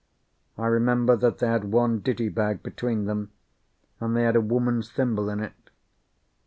I remember that they had one ditty bag between them, and they had a woman's thimble in it.